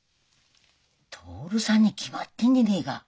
徹さんに決まってんでねえか。